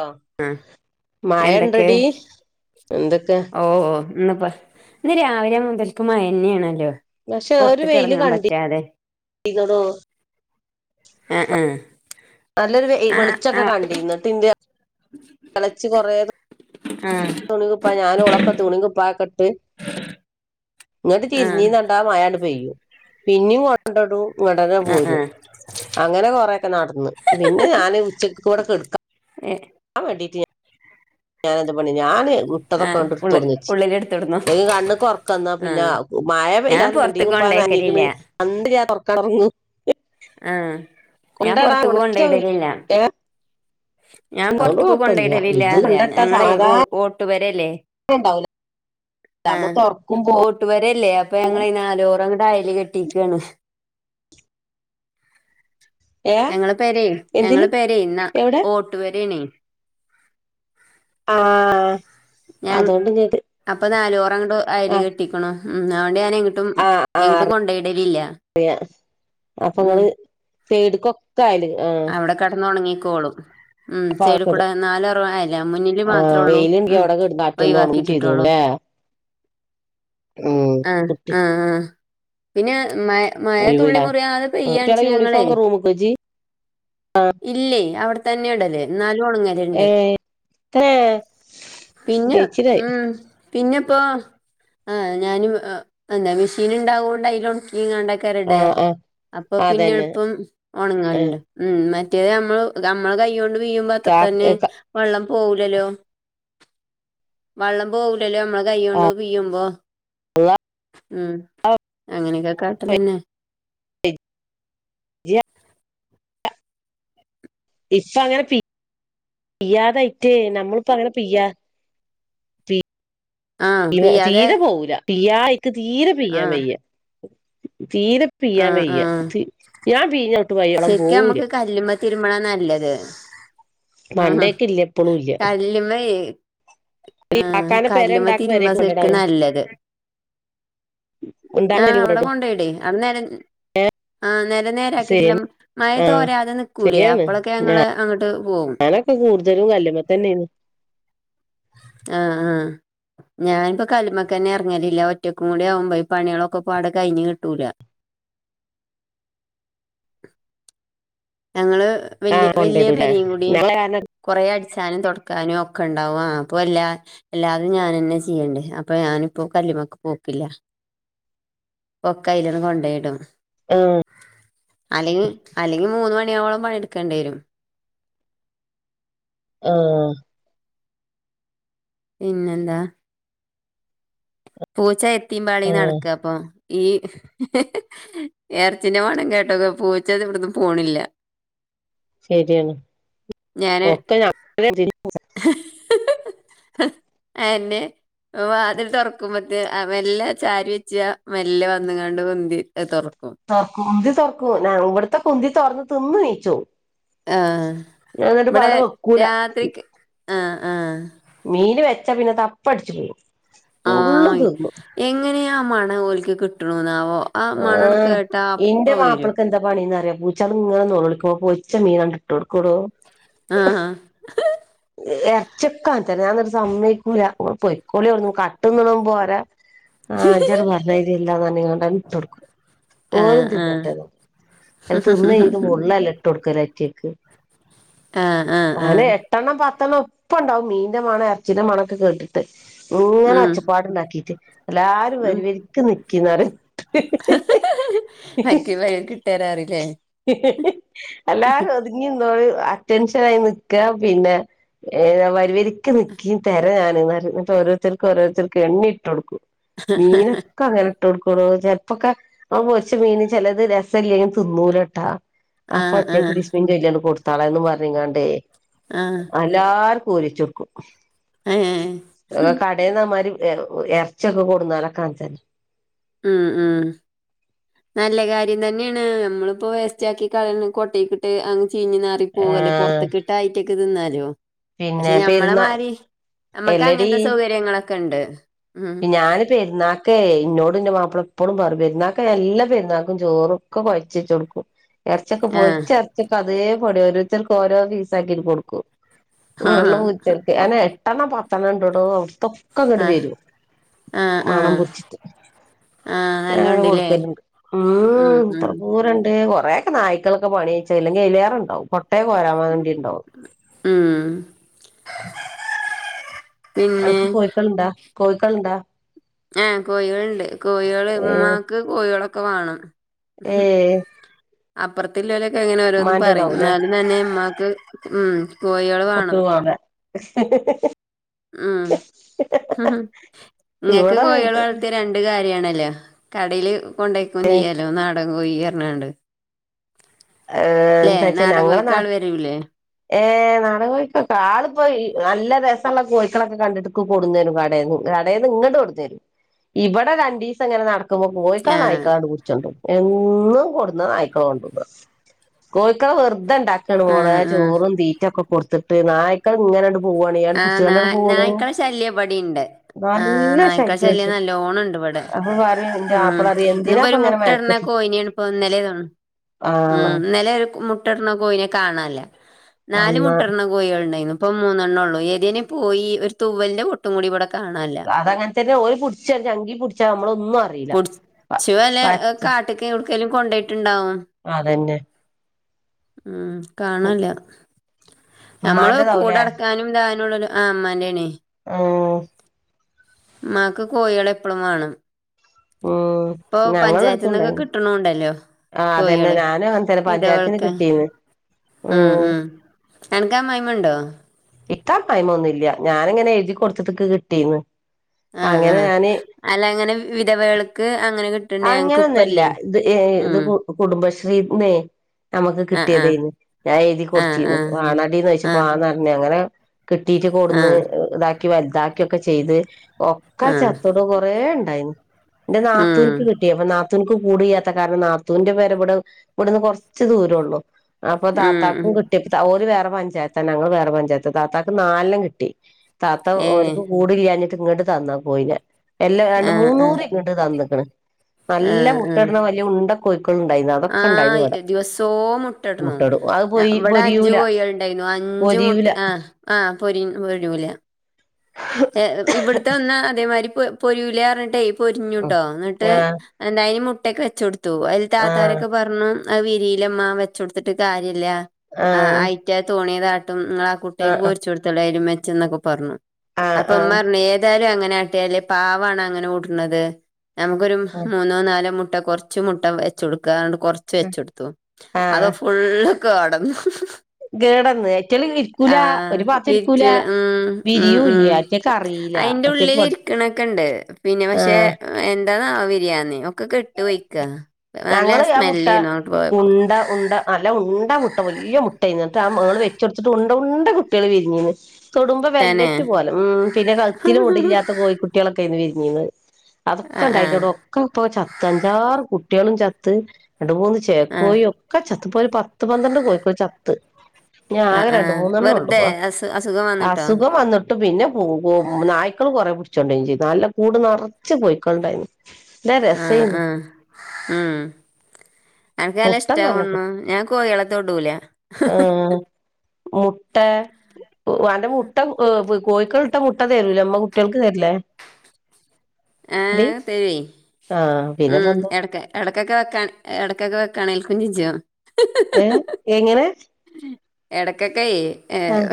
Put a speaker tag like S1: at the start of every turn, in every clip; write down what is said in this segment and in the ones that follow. S1: ആഹ്
S2: ആഹ
S1: മഴ
S2: എന്തൊക്കെ
S1: ഇണ്ടടി എന്തൊക്കെ
S2: ഓ ഇന്ന്പ്പ ഇത് രാവിലെ മുതൽക്ക മഴന്നയാണല്ലോ
S1: പക്ഷെ ഒരു
S2: പുറത്തക്ക്
S1: വെയില്
S2: ഇറങ്ങാൻ പറ്റാതെ
S1: [unintelligible]
S2: ആ ആ
S1: നല്ലൊരു
S2: ആ ആ
S1: വെളിച്ചൊക്കെ കണ്ടിരന്നിട്ട് ഇന്റെ തിളച്ചച്ച് കൊറേ
S2: ആ
S1: തുണിപ്പ ഞാനും ഉളക്കെ തുണിങ്ങിപ്പക്കെ ഇങ്ങോട്ട്
S2: ആ
S1: തിരിഞ്ഞീന്നണ്ടാ മഴട് പെയ്യു പിന്നും കൊണ്ടിടും മടങ്ങാ
S2: ആ ആ
S1: പോരും അങ്ങനെ കൊറെേൊക്കെ നടന്നന്ന് പിന്നെ ഞാന് ഉച്ചക്ക് കൂടെക്കെടുക്കാം
S2: ഏ
S1: ആ ഡീട്ട ഞാാന എന്ത്ാ പണി ഞാന്
S2: ആ ഉള്ള്
S1: വിട്ടതൊക്കെണ്ടിടുത്തോറന്നച്ചു
S2: ഉള്ളിലെടുത്തിടുന്നു
S1: അല്ലെങ്കിൽ കണ്ണണ് ഉറക്കന്നാ
S2: ആ
S1: പിന്നെ മഴ
S2: ഞാൻ
S1: പെയ്യാലും
S2: പൊറത്തേക്ക്
S1: മിണ്ടീപ്പ
S2: കൊണ്ടോയ്ക്കലില്ല
S1: നഞ്ഞ കറക്ക പറന്നു
S2: ആ ഞാൻ പുൊറത്തു പോണ്ടയിടലില്ല
S1: ഏഹ്
S2: ഞാൻ
S1: അതോണ്ട്
S2: പുറത്തക്ക
S1: കൊഴപ്പല്ല
S2: കൊണ്ടോയിടില്ല
S1: ഇത്
S2: അതെയ
S1: കൊണ്ടട്ടാ
S2: ഞങ്ങളെ
S1: സമാധാ
S2: ഓട്ട് വരെ
S1: ഉണ്ടാവൂല
S2: ആ
S1: അന്ന് തുറക്കുമ്പോ
S2: ഓട്ട്ുവരല്ലേ അപ്പൊ ഞങ്ങ ചോറട അായല് കെട്ടിിക്കയാണ്
S1: ഏ
S2: ഞങ്ങള പേര
S1: എന്തില്
S2: ഞങ്ങള് പേര ഇന്നാ
S1: എവിടെ
S2: വരണേ
S1: ആ
S2: ഞാൻ
S1: അതുകൊണ്ട് ഇങ്ങട്ട്
S2: അപ്പൊ നാലൂറ അങ്ങോട്ട്
S1: ആ
S2: അയല് കെട്ടിക്കണ ഞൻങ്ങട്ടും
S1: ആ ആ
S2: എങ്ങോട്ടും കൊണ്ടയിടലല്ല
S1: അപ്പൊ നിങ്ങള് ചേടിക്കൊക്കെ ആയല് ആ
S2: ോളൂ ഉ
S1: അപ്പൊ
S2: ച്ടിക്കൂടാ
S1: അവിടെക്കിടും
S2: നാലറ ആല്ല മുന്നിൽ
S1: ആ
S2: മാത്രമേ ഉള്ളൂ
S1: വെയിലുണ്ടെങ്കി
S2: ഉ
S1: അവിടെ കിടന്ന് കാറ്റോണ്ട് ഉണങ്ങും ചെയ്തോളും
S2: ഒയിവാക്കിട്ടിട്ടോളോ
S1: ല്ലേ ഉം
S2: ആ
S1: കുട്ടി
S2: ആആ പിന്നെ മ മഴ തുള്ളി
S1: ഒഴിവില്ലേ
S2: മുറിയതെ
S1: കുട്ടികളെ
S2: പെയ്യാണിച്ച ഞങ്ങളെ
S1: യൂണിഫോം റൂമ്ക്ക് വെച്ച്
S2: ഇല്ലേ അവിടെത്തന്നെ ഉടല്ലേ ന ണങ്ങല ഉണ്ട്
S1: ഏ തന്നെ
S2: പിന്നെ
S1: കഴിച്ചിലായി
S2: ഉ പിന്നെപ്പോൊ ആ് ഞാൻ എന്താ മെഷീൻ ഉണ്ടാാവോണ്ടായാലോ ീ
S1: ആ
S2: കണ്ടക്കാർടയ
S1: ആ
S2: അപ്പൊ പിന്നെ
S1: അതന്നെ
S2: എളപ്പം
S1: ആ
S2: ഉണങ്ങലുണ്ട്ോ ഉ മറ്റേത് നമ്മൾ നമ്മൾ കൈക കൊണ്ട് വീ്യുമ്പോ അത്ര
S1: കാ
S2: തന്നെ
S1: ക
S2: വെള്ളം പോകലല്ലോ വള്ളം പോക ല്ലോ നമ്മള്
S1: ആ
S2: കൈ്യോണ്ട് പിയുമ്പോ ഉം അങ്ങനെയൊക്കെ കാട്ടലന്നെ
S1: ഇപ്പ ഇപ്പ അങ്ങനെ പ്യാതായിട്ടേ നമ്മളിപ്പ അങ്ങനെ പ്യാ [inaudible]
S2: ആ
S1: തീ
S2: പിയ്യാതെ
S1: തീരെ പോവല പ്യ എക്ക് തീരെ
S2: ആ
S1: പ്യാൻ വയ്യ തീരെ പിയാൻ ൻ വയ്യ ഞാൻ പീഞ്ഞ
S2: ശരിക്ക നമ്മുക്ക് കല്ലുമ്പ തിരുമ്മളാ നല്ലത് ആഹ
S1: മണ്ടേക്ക് ഇല്ല ഇപ്പളും
S2: കല്ല്മ
S1: ഈ കാക്കന്റെ പേര ഇണ്ടാക്ക പേര
S2: തിരുമ്പാ
S1: കൊണ്ടടോ
S2: ശരിക്കും നല്ലത് ആ് അവിടെ കൊണ്ട പോോടെേ അവിടെര ആ അ
S1: ശരി
S2: നേരാക്കിയിട്ടില്ല
S1: ആഹ്
S2: മഴത്ത്ോരാതെ നിക്കൂലേ
S1: ശരിയാണ്
S2: അപ്പളൊക്കെ ഞങ്ങള് അങ്ങോട്ട് പോകും
S1: കല്ലുമ്മതന്നെന്ന്
S2: ആഹ് ആ ഞാനിപ്പോ കല്മക്കന്നെ ഇറങ്ങലില്ല ഒറ്റക്കും കൂടി ആകുമ്പോയി പണികളൊക്കെ പാട കഴിഞ്ഞ് കിട്ടൂല
S1: [inaudible]
S2: ഞങ്ങള് വല്യയ
S1: ആഹ്
S2: വല്യയ
S1: കൊണ്ടിടൂലേ
S2: പെരിം കുടിം
S1: ഞങ്ങളെ കാരണം
S2: കൊറേ അടി ചാനും തൊട്ക്കാനും ഒക്കെ ഉണ്ടാവും ആ അപ്പോ എല്ലാ എല്ലാതും ഞാനെന്നെ ചെയ്യേണ്ടെ അപ്പൊ ഞാനിപ്പോ ക ക്ക് പോക്കില്ല
S1: [inaudible]
S2: പ്പൊക്കയ്ലണ്ട് കൊണ്ടെയിടും
S1: ആ
S2: അല്ലെങ്കി അല്ലെങ്കി മൂന്ന് മണിയാകോളം പണിട്ക്കേണ്ടിവരും
S1: ആ
S2: പിന്നെന്താ പൂച്ച എത്തിമ്പാളി
S1: ആഹ്
S2: നടക്കാപ്പൊ ഈ എർച്ചിന്റെ മണം കേട്ടതും പൂച്ച ത് ഇവട്ന്ന് പോണില്ല
S1: ശരിയാണ് ഒക്കെ അത്ര
S2: ആന്നെ ഓ വാതിൽ തുറക്കുമ്പത്തേ മെല്ല ചാരി വെച്ച മെല്ലെ വന്ന്ങ്ങാണ്ട് ഉന്തി തൊർക്കും
S1: തൊർക്കൊ ഞ ഇവട്തൊക്കെ ഉന്തി തൊർന്ന് തിന്ന് നീചോവും
S2: ആ ഇവടെ
S1: വെക്കൂല
S2: രാത്രിക്ക് ആ ആ
S1: മീന് വെച്ചാ പിന്നെ തപ്പട്ച്ചു പോവും പുള്ളും
S2: ആഹ്
S1: തിന്നും
S2: എങ്ങനെ ആ മണഓൽക്ക് കിട്ട്ണ്ന്നാവോ
S1: ആ ഇന്റെ മാപ്പൾക്ക് എന്താ പണിന്നറിയൊ പൂചാള്ങ്ങനെ ന്നൊലോളിക്കുമ്പോ പൊര്ച്ച മീനാണ്ട് ഇട്ടോക്കൊ ടോ
S2: ആആ
S1: എർച്യോക്കെ അങ്ങൻതന്നെ ഞാന്ന്ട്ട് സമ്മയ്ക്കൂല ഇങ്ങൾ പൊയ്ക്കോളി അട്ന്ന് കട്ട്ന്ന്ണും പോരാ ആ ഇജണ്ട് പർഞ്ഞയ്രില്ലാ ന്നർഞ്കാണ്ടാണ്ട് ഇട്ടോട്ക്കും ഓലും
S2: ആഹ് ആഹ്
S1: തിന്നട്ടേന്ന് അല്ല തിന്നയ്ഞ്ഞിട്ട് മുള്ളല്ല ഇട്ടൊട്ക്കല് അയിറ്റക്ക്
S2: ആ ആ ആ
S1: പത്തെണ്ണം ഒപ്പ ഉണ്ടാവും മീന്റെ മണം എർച്ചിന്റെ മണൊക്കെ കേട്ടിട്ട് ഇങ്ങനെ
S2: ഉം
S1: ഒച്ചപ്പാട്ണ്ടാക്കിട്ട് എല്ലാരും
S2: ഉം
S1: വരിവരിക്ക് നിക്കിന്നറിം
S2: ആര്ക്കും കിട്ടാനറില്ലേ
S1: അല്ലാരും ഒതുങ്ങിന്നോളി അറ്റൻഷനായി നിക്ക പിന്നെ ഏ വരിവരിക്ക് നിക്കിം തര ഞാന് ന്നറിം ന്ന്ട്ട് ഓരോരുത്തർക്ക് ഓരോരുത്തർക്ക് എണ്ണി ഇട്ടൊടുക്കും മീനൊക്കെ അങ്ങനെ ഇട്ടടുക്ക്ണോ ചെൽപ്പൊക്കെ പൊര്ച്ച മീന് ചെലത് രസം ഇല്ലെല് തിന്നൂലട്ടാ
S2: ആഹ്
S1: അപ്പൊറ്റയ്ക്ക്
S2: ആഹ്
S1: ബിസ്മിം ചൊല്ലിആണ്ട് കൊടുത്താളെന്ന് പറഞ്ങ്ങാണ്ടേ
S2: ആഹ്
S1: അല്ലാ ഓരിചൊട്ക്കും
S2: ഏഹ്
S1: കടെന്നമാരി എർച്യോക്കെ കൊട്ന്നാലൊക്കെ അങ്ങതന്നെ
S2: ഉം ഉ നല്ല കാര്യം തന്നെണ് നമ്മളിപ്പോ വേസ്റ്റാക്കി കളിണത് കൊട്ടീക്കിട്ട് അ ചീഞ് നാറി പോകല്ലേ
S1: ആഹ്
S2: പൊർത്ത്ക് ട്ടാ അയ്റ്റക്ക് തിന്നാലോ പക്ഷെ
S1: പിന്നെ
S2: ഞമ്മളെ
S1: പെരുന്നാ
S2: മാരി ഞമ്മക്ക്
S1: എല്ലടീ
S2: അങ്ങൻത്തെ സൗകര്യങ്ങളൊക്കെണ്ട്
S1: ഞാന് പെര്ന്നാക്കെ ഇന്നോട് ന്റെ മാപ്പള എപ്പൊളും പറിം പെര്ന്നാക്കെ എല്ലാ പെരുന്നാക്കും ചോറൊക്കെ കൊഴച് ട്ടൊട്ക്കും എർച്യോക്കോ
S2: ആഹ്.
S1: പൊര്ച്ച എർചിക്കെ അതേ പടി ഓരുത്തർക്ക് ഓരോ പീസാക്കിട്ട് കൊടുക്കും
S2: ആഹ്.
S1: ങ്ങള്ള്ള പൂച്ചക്ക് അനെ എട്ടെണ്ണം പത്തെണ്ണം ണ്ടടോ അഔത്തൊക്കെ ങ്ങട്ട്
S2: ആഹ്.
S1: വരും
S2: ആഹ്
S1: മണം
S2: ആഹ്.
S1: പുട്ച്ചിട്ട്
S2: ആഹ്
S1: ഞാൻ അങ്ങനെ
S2: നല്ലോണ്ട്ല്ലേ.
S1: കൊടുക്കലുണ്ട്
S2: ഉം
S1: ഉ ത്ര
S2: ഉം.
S1: പൂരണ്ട് ണ്ട് കൊറെക്കെ നായിക്കളൊക്കെ പണിയ്ച്ചു അല്ലെങ്കി അയ്ലേറണ്ടാവും ട്ടേ കോരാമാണ്ടിണ്ടാവും
S2: ഉം. പിന്നെ
S1: അൻക്ക് കോയ്ക്കള്ണ്ടാ കോയിക്കള്ണ്ടാ
S2: ആ കോഴികള്ണ്ട് കോഴികൾ
S1: ഏ
S2: ഉമമാക്ക് കോഴികളൊക്കെ വാണം
S1: ഏ
S2: ഉം അപ്പുറത്തി ള്ളോലൊക്കെ എങ്ങനെ ഓരോന്ന് പറയും
S1: ഉമ്മാന്റെതാവുംല്ലേ
S2: ന്നാലും തന്നെ മ്മാ ഉം കോഴികള് വേണം.
S1: [unintelligible]
S2: ഉം ഇങ്ങക്ക്
S1: ഇവിടെ
S2: കോഴേള് വളർത്തിയ രണ്ട് കാര്യാണ് ല്ല കടേല് കൊണ്ടയ്ക്കും ചെയ്യാലോ നാടൻ കോഴി അർഞ്ഞാണ്ട്
S1: ഏ ന്താ ച്ചാ ഞങ്ങളെ ന
S2: ആള് വരൂലേ
S1: ഏഹ് നാടൻ കോഴിക്കൊക്കെ ആളിപ്പോ നല്ല രസമുള്ള കോഴിക്കളൊക്കെ കണ്ടിട്ട് ഇൻക്ക് കൊടുന്നു രും കടേന്ന് കട ങ്ങട്ട് കൊട്ന്ന് രും ഇവിടെ രണ്ടീസമിങ്ങനെ നട കോഴിക്കളെ
S2: ആഹ്
S1: നായിക്കളെ പുട്ച്ചുണ്ടാവും എന്നും കൊടുന്ന നായ്ക്കള കൊണ്ടോവാ കോയ്ക്കളെ വെറുതെ ഇണ്ടാക്കാണ് മോളെ
S2: ആഹ് ആഹ്
S1: ചോറും തീറ്റൊക്കെ കൊടുത്തിട്ട് നായ്ക്കള് ഇങ്ങനെ. ആണ്ട്
S2: ആ ന നായ്ക്കള ശല്യം ബടിണ്ട്..... ആ
S1: നല്ല
S2: നായ്ക്കളെ ശല്യം
S1: ശല്യണ്ട്
S2: നല്ലോണംണ്ട് ഇവിടെ
S1: അപ്പൊ പറയും ഇന്റെ
S2: ഉം
S1: മാപ്പള പറയും
S2: ഇന്നിപ്പോ
S1: എന്തിനാപ്പ
S2: ഒരു
S1: ഇങ്ങനെ
S2: മുട്ടട്ണ കോയിനാണ് ഇപ്പോന്ന ലെ
S1: ആഹ്
S2: ഇന്നലെ ഒരു മുട്ടട്ണ കോഴിനെ കാണല്ല നാല്
S1: അന്നാ
S2: മുട്ട ട്ന്ന കോഴികൾ ഉണ്ടായിരുന്നു ഇപ്പ മൂന്നെണ്ണം ഒള്ളൂ ഏതേന പോയി ഒരു തുവലിന്റെ പൊട്ടും കൂടി വടെ
S1: അതങ്ങനെ തന്നെ ഓല് പിടിച്ച ചങ്കി പിടിച്ചാ നമ്മള ഒന്നും അറിയില്ല.....
S2: ച്ച് വല്ല
S1: പ
S2: കാട്ട്ക്കും എവിടുക്കലും കൊണ്ടോയി
S1: അതന്നെ.
S2: ഉം കാണാല്ല നമ്മള്
S1: ഉമ്മാന്റെതാവൂലേ
S2: കൂടെടക്കാനും താ ആ മ്മാൻ്റെയ്നി
S1: ഓ
S2: മ്മാക്ക് കോഴികളെ എപ്പളും വേണം.
S1: ഉം ഞങ്ങളുടെ അടുത്തുണ്ടായി നി
S2: കിട്ട്ണൂണ്ടല്ലോ
S1: ആ അതന്നെ
S2: കോഴികള്
S1: ഞാന് അങ്ങൻതന്നെ പഞ്ചായത്തിന്
S2: വിധവകൾക്ക്
S1: കിട്ടീന്ന്
S2: ഉം ഉം എനക്ക് അമ്മായിമ്മ ഇണ്ടോ
S1: ഇൻക്ക് അമ്മായിമ്മൊന്നുല്ല ഞാാനിങ്ങനെ എഴുതി കൊടുത്ത്ട്ട്ക്ക് കിട്ടീന്ന്
S2: ആ ആ
S1: അങ്ങനെ ഞാന്
S2: അല്ല അങ്ങനെ വിധവകൾക്ക് അങ്ങനെ കിട്ട്ണ്ട് ഞങ്ങക്ക്
S1: അങ്ങനൊന്നല്ല
S2: ഇപ്പല്ലേ
S1: ഇത് ഏ ഇത്
S2: ഉം
S1: കുടുംബശ്രീന്നെ നമുക്ക്
S2: ആ ആ
S1: കിട്ടിയതന്ന് ഞാനെഴുതി
S2: ആ ആ
S1: കൊട്ത്തീന്ന് വാണാ ടീന്ന്
S2: ആ
S1: പോയ്ച്ചപ്പോ അങ്ങനെ. കിട്ടീട്ട്
S2: ആ
S1: കൊടുന്ന് ഇതാക്കി വലുതാക്കിൊക്കെ ചെയ്ത് ഒക്കാ
S2: ആ
S1: ചത്തോട് കൊറേ ഉണ്ടായിന്ന് എന്റെ
S2: ഉം
S1: നാത്തൂനിപ്പ് കിട്ടി അപ്പ നാ നാത്തുൻക്ക് കൂട്ല്ലാത്ത കാരണം നാത്തുവിന്റെ പേര വടെ ഇവിടുന്ന് കുറച്ച് ദൂരം ഉള്ളു അപ്പൊ
S2: ഉം
S1: തത്താക്കും കിട്ടി ഓല് വേ പഞ്ചായത്ത് ആണ് ഞങ്ങൾ വേറെ പഞ്ചായത്ത് താത്താക്ക് നാലെണ്ണം കിട്ടി താത്ത
S2: ഏ
S1: ഓൽക്ക് കൂട് ഇല്ലാഞ്ഞിട്ട് ഇങ്ങോട്ട് തന്നാ കോഴിനെ എല്ലാം രണ്ട്
S2: ആ ആ
S1: മൂന്നൂറി ഇങ്ങോട്ട് തന്നിക്ക്ണ് നല്ല മുട്ടയിടണം വല്ല്യ ഉണ്ട കോഴിക്കൾ ഉണ്ടായിരുന്നു അതൊക്കെ ഉണ്ടായിരുന്നു
S2: ആഹ്
S1: ഇവിടെ
S2: ദിവസോ മുട്ടിടുന്നു
S1: മുട്ടടും അത് പൊരി
S2: ഇവിടെ അഞ്ചു
S1: പൊരിയൂല
S2: കോഴികളുണ്ടായിന്നു ആ അ അഞ്ചു
S1: പൊരിയൂല
S2: മുട്ടി ആ ആഹ് പൊരി പൊരൂല ഇവിടുത്തെ ഒന്ന് അതേമാതിരി പൊരിൂല പറഞ്ഞിട്ടേ പൊരിഞ്ഞുട്ടോ എന്നിട്ട്
S1: ആഹ്
S2: എന്തായന് മുട്ടൊക്കെ വെച്ച് കൊടുത്തു അതില്
S1: ആഹ്
S2: താത്താരൊക്കെ പറഞ്ഞു ആ വിരിലമ്മ വെച്ച് കൊടുത്തിട്ട് കാര്യില്ല ആ്
S1: ആഹ്
S2: ആയിറ്റ തോണി ആ കുട്ട്യാക്ക്
S1: ആഹ്
S2: പോരിച്ച് കൊടുത്താളി അയലും മെച്ചം എന്നൊക്കെ പറഞ്ഞു
S1: ആഹ്
S2: അപ്പൊ മ്മ
S1: ആഹ്
S2: പറഞ്ഞു ഏതാലും അങ്ങ നൊവട്ടെ പാവാണ് അങ്ങനെ കൂട്ടുന്നത് നമുക്കൊരു മൂന്നോ നാലോ മു മുട്ട കൊറച്ച് മുട്ട വെച്ച് കൊടുക്കാറഞ്ഞിട്ട് കൊറച്ച് വെച്ച് കൊടുത്തു അത്
S1: ആഹ്
S2: ഫുളള് കേടന്നു
S1: കേടന്ന് അയ്റ്റള് ഇരിക്കൂല
S2: ആഹ്
S1: ഒരു ഭാഗത്ത് ഇരിക്കൂല
S2: പിറ്റേ ഉം ഉം
S1: വിരിയൂല്ല
S2: ഉം
S1: അറ്റക്ക് അറിയില്ല
S2: അയിന്റെ
S1: അറ്റക്ക്
S2: ഉള്ളിൽ
S1: പ
S2: ഇരിക്കണൊക്കെ ഉണ്ട് പിന്നെ പക്ഷെ
S1: ആഹ്
S2: എ ട്ടന്നാ വിരിയാന് ഒക്കെ കെട്ട് പോയ്ക്കാ
S1: ഞങ്ങള് മുട്ട ഉണ്ട ഉണ്ട് അല്ല ഉണ്ട മുട്ട.. മുട്ട വല്യ മുട്ട എന്നിട്ട് ആ മ്മള് വെച്ചെടുത്തിട്ട് ഉണ്ട ഉണ്ട കുട്ടികൾ വിരിഞ്ഞിന്ന് തൊടുമ്പോ
S2: തന്നെ
S1: വെൽവെറ്റ് പോലെ ഉം പിന്നെ കളുത്തിും മുടില്ലാത്ത കോഴി കുട്ടികളൊക്കെ ഇന്ന് വിരിഞ്ഞീന്ന് അതൊക്കെ
S2: ആഹ് ആഹ്
S1: ഇണ്ടായിതിനൂടെ ഒക്കെ ഇപ്പൊ ചത്ത അഞ്ചാറ് കുട്ടികളും ചത്ത് രണ്ട് മൂന്ന്
S2: ആഹ്
S1: ചേക്കോഴ ഒക്കെ ചത്ത് പോ ഒരു പത്ത് പന്ത്രണ്ട് കോഴിക്കോ ചത്ത് ഞാൻ
S2: ആഹ്
S1: ആകെ രണ്ട്
S2: ആഹ്
S1: മൂന്നെണ്ണം ഒള്ളൂ
S2: വെറുതെ
S1: പോ
S2: അസു അസുഖം വന്നിട്ടോ?
S1: അസുഖം വന്നിട്ട് പിന്നെ നായ്ക്കള് കുറെ പിടിച്ചോണ്ടായി ചെയ് നല്ല കൂട് നറച്ച് കോയിക്കളുണ്ടായിരുന്നു
S2: ആഹ് ആഹ് ഉം എനക്ക്ല്ല
S1: മുട്ട നല്ല
S2: ഇഷ്ടണു
S1: കിട്ടും
S2: ഞാൻ കോഴളത്തൊടൂല
S1: ആഹ്
S2: [unintelligible]
S1: മുട്ട വന്റെ മുട്ട കോഴക്കള ഇട്ട മുട്ട തരൂല അമ്മ കുട്ടികൾക്ക് തരിലേ
S2: ആ തരുഎ
S1: ആഹ് പിന്നെപ്പ എന്താ
S2: എടക്ക ഇടക്കെ വെക്കാ ഇടക്കൊക്കെ വെക്കാണെങ്കൽക്കുഞ്ി ജ്യോ
S1: ഏ എങ്ങനെ
S2: എടക്കൊക്കെ ഏ
S1: ആഹ്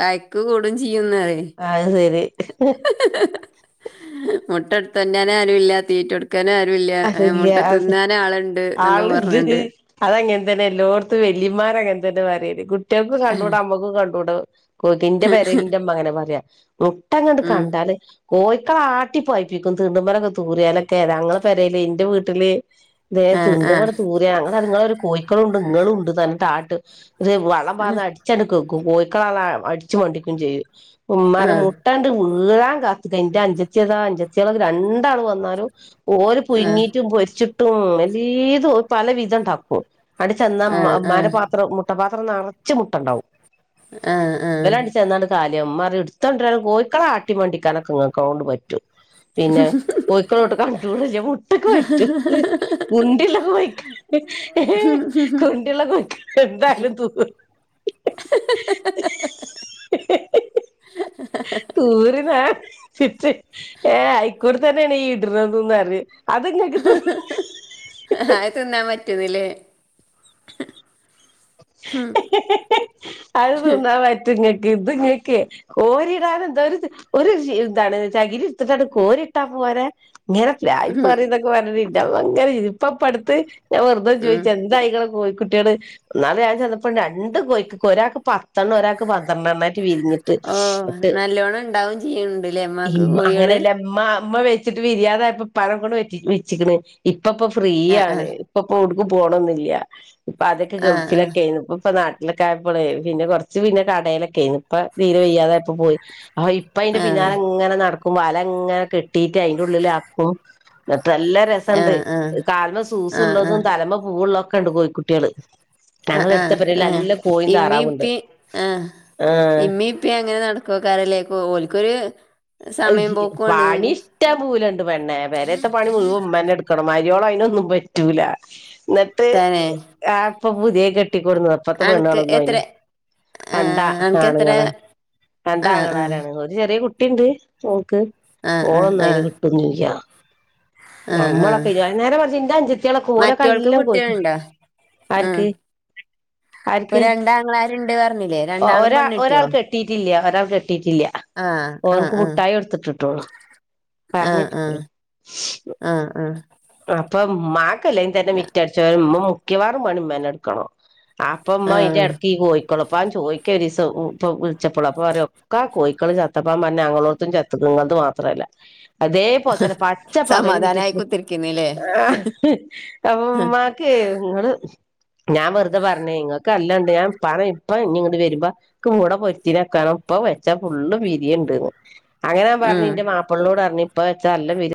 S2: വായക്ക് കൂടും ചെയ്യുന്നതേ
S1: അ
S2: മുട്ട എടുത്ത് തന്നാനെ അനും ഇല്ലാ തീറ്റ എടുത്ത്
S1: അല്ല അ
S2: ആളുണ്ട് എന്നൊക്കെ
S1: ആളണ്ട്
S2: പറഞ്ഞിട്ട്
S1: അതങ്ങന തന്നെല്ലോർത്ത് വ വല്ലിമാരങ്ങനെ തന്നെ വയേ കുട്ടികൾക്ക് കണ്ട കൂടും അമ്മക്കും കണ്ട കൂടും കൊതിന്റെ പരലന്റെ അങ്ങനെ പറയാ മുട്ടങ്ങോട്ട്
S2: ഉം
S1: കണ്ടാല് കോഴക്കള ആട്ടി പോയിപ്പിക്കും തീണ്ടുമ മരൊക്കെ തൂരാനൊക്കെ തഞങ്ങൾ പെരേൽ ല്ല എന്റെ വീട്ടില് നേ
S2: ആ
S1: ത ഇണ്ട്
S2: ആ
S1: ഇവിടെ തൂര അങ്ങെ അതുങ്ങളെ ഒരു കോഴക്കളും ഉണ്ട് ഇങ്ങളും ഉണ്ട് തന്ന താട്ട് ഇത് വളം പാന്ന് അടിച്ചെടുക്ക വെക്കും കോഴക്കളള അടിച്ചു മണ്ടിക്കും ചെയ്യും ഉ്മാര
S2: ആ ആ
S1: മ മുട്ടാണ്ട് വീഴൻ കാത്തിക്ക എന്റെ അഞ്ചത്തിതാ അഞ്ചത്തിള രണ്ടാള് വന്നാലും ഓര്
S2: ആ
S1: പുങ്ങിട്ടും പൊരിച്ചിട്ടും എല്ലത് പല വിധം ഉണ്ടാക്കും അടി ചെന്നമാന്റെ പാത്രം മുട്ടപാത്രം നിറച്ച് മുട്ട ഉണ്ടാവും
S2: ആ ആ
S1: മാറി എടുത്തൊണ്ടിരും കോഴക്കളെ ആട്ടിമണ്ടിക്കാനൊക്കെങ്ങക്കോണ്ട് പറ്റും പിന്നെ കോഴക്കളോട്ട് കാണിക്ക- മുട്ടക്ക് വറ്റു കുണ്ടിലൊക്കെയ്ക്ക കുണ്ടില [unintelligible] [unintelligible] തൂര്ന്നാ ഏ ആയിക്കോടെ തന്നെയാണ് ഈ ഇടുന്ന തന്നാര്
S2: ആ തിന്നാൻ പറ്റുന്നില്ലേ ഉം
S1: [unintelligible] അത് നിന്നാൻ പറ്റ ഇത്ങ്ങക്കെ കോരിടാന എന്താ ഒരു എന്താണ് ചകിരി ഇത്തിട്ടാണ് കോരിട്ടാ പോ പോ ഇങ്ങരെ പായി
S2: ഉം
S1: പററതൊക്കെ പറര ഇ ഭങ്കര ഇപ്പ പടുത്ത് ഞാൻ വെറുതെ
S2: ഉം
S1: ചോദിച്ച എന്താായികള കോഴിക്കുട്ടികള് ഒാള ഞാൻ ചെന്നപ്പോൾ രണ്ട് കോഴ കോരാക്ക പത്തെണ്ണ ഒരാൾക്ക് പന്ത്രണ്ടെണ്ണായിട്ട്
S2: ഓ
S1: വിരിഞ്ഞിട്ട്ണ്ട്
S2: നല്ലോണം ഉണ്ടാവും ചെയ്യണുണ്ടല്ലേ ഉമ്മാക്ക്
S1: മ്മ
S2: കോഴികള്
S1: അങ്ങനെയല്ലമ്മ അമ്മ വെച്ചിട്ട് വിരിയാതായപ്പോ പഴം കൊണ്ട് വ വെച്ചണ് ഇപ്പപ്പോൊ ഫ്രീ
S2: ആ ആ
S1: ആണ് ഇപ്പപ്പ പോണോന്നില്ല ഇപ്പൊ അതൊക്കെ
S2: ആ ആ
S1: ഗൾഫിലൊക്കെ ആയിരുന്നു ഇപ്പ ഇപ്പൊ നാട്ടില ലൊക്കെ ആയപ്പളെ പിന്നെ കൊറച്ച് പിന്നെ കടലൊക്കെ ആയിരുന്നു ഇപ്പ തീരെ വെയ്യാതൊയപ്പോ പോയി അ ഇപ്പ അതിന്റെ
S2: ആ
S1: പിന്നാല എങ്ങനെ നടക്കും വല എങ്ങനെ കെട്ടിട്ട് അയിന്റെ ഉള്ളില ആാക്കും നല്ല രസംുണ്ട്
S2: ആഹ് ആഹ്
S1: കാൽമ
S2: ആഹ്
S1: സൂസള്ളതും
S2: ആഹ്
S1: തലമ പൂവള്ളൊക്കെ ഉണ്ട് കോഴിക്കുട്ടിയാൾ
S2: ആ ആഹ് ആ
S1: താറാവുണ്ട്
S2: ഇമ്മിപ്പി ആ
S1: ആഹ്
S2: ഇമ്മിപ്പ അങ്ങനെ നടക്ക ക്ക കറലേക്ക ഓലിക്കൊരു
S1: പണി ഇഷ്ടാൻ പോൂലുണ്ട് പെണ്ണെ പേരെത്തെ പണി മുഴുവൻ ഉമാനെ എടുക്കണമായി ൊന്നും പറ്റൂ എന്നിട്ട്
S2: തന്നെ
S1: പ്പൊ പുതിയ കട്ടിക്ക കൊൂടുന്നത് അപ്പത്തെ പെണ്ണാള
S2: അനക്ക്
S1: ഒന്നും
S2: എത്ര
S1: അയിന് രണ്ടാ
S2: ആഹ് അനക്കെത്ര
S1: ആണുങ്ങളാ
S2: ആഹ് ആഹ്
S1: രണ്ടാങ്ങളാരാണ്. ഒരു ചെറിയേകു കുട്ടിണ്ട് ഓക്ക്
S2: ആഹ് ആഹ്
S1: ഓളെന്നും അയ്ന്
S2: ആഹ്
S1: കിട്ടൊന്നുല്ല.
S2: ആഹ് ആഹ്
S1: നമ്മളൊക്കെ [unintelligible] നേരെ മറ്ച്ച് ഇന്റെ അൻജത്തിയാലൊക്കെ ഓലൊക്കെ
S2: മറ്റോൾക്ക്
S1: നല്ലോം കോഴിക്കളെ
S2: കുട്ടികളുണ്ടോ ആഹ്
S1: ആർക്ക്
S2: ഇപ്പൊ
S1: ആർക്ക്
S2: രണ്ടാങ്ങളാരുണ്ട് പറഞ്ഞില്ലേ രണ്ടാളും
S1: ഒരാ
S2: പെണ്ണിട്ടിയോ
S1: ഒരാൾ കെട്ടീട്ടില്ല കിട്ടിട്ടില്ല
S2: ആഹ് ആഹ്
S1: ഓന്ക്
S2: ആഹ്
S1: മുട്ടായി കൊടുത്തുവിട്ടിട്ടുള്ളു പറഞ്ഞിട്ടിക്കിന്
S2: ആ ആ
S1: അപ്പൊ ഉമ്മാക് അല്ലെങ്കിതന്നെ മിറ്റട്ച്ചേരും ഉമ്മ മുക്കിയവാറും പണി ഉമ്മന്നെ ഇട്ക്കണം. അപ്പം ഇമ്മ അയ്ന്റെ
S2: ആഹ്
S1: എട്ക്ക് ഈ കോയികൊലപ്പം ചോയ്ക്കൊരീ [unintelligible] ഇപ്പൊ വിള്ച്ചപ്പളാ അപ്പ പറിയാ ഒക്ക കോയിക്കള് ചത്തപ്പം [unintelligible] ഞങ്ങലോട്ത്തും ചത്ത്ക്ക്ണ് നിങ്ങൾത് മാത്രല്ല. അതേപോൽതന്നെ പച്ചപ്പകലും
S2: സമാധാനായി
S1: മിറ്റത്തും
S2: കുത്തിരിക്കുന്നില്ലേ
S1: ആ ഇമ്മാക്കേ ഇങ്ങള് ഞാൻ വെർതെ പർഞ്ഞേ അല്ലണ്ട് ഞാം ഇപ്പാനെ ഇപ്പ ഇഞ്ഞ് ഇങ്ങട്ട് വരുമ്പ [unintelligible] പൊർത്തിനക്കാ ഇപ്പ വെച്ച ഫുള്ള് വിരീണ്ട്ന്ന്. അങ്ങനെ ഞാ പറഞ്ഞ്
S2: ഉം
S1: ന്റെ മാപ്പൾനോടർഞ്ഞ് ഇപ്പവെച്ച നല്ലോ വിർ